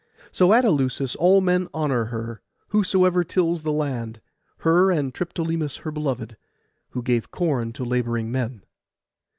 So at Eleusis all men honour her, whosoever tills the land; her and Triptolemus her beloved, who gave corn to labouring men.